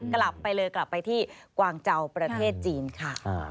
กลับไปเลยกลับไปที่กวางเจ้าประเทศจีนค่ะ